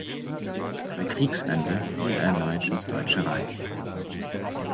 Bei Kriegsende floh er erneut ins Deutsche Reich.